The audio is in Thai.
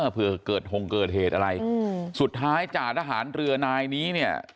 เผื่อเกิดหงเกิดเหตุอะไรสุดท้ายจ่าทหารเรือนายนี้เนี่ย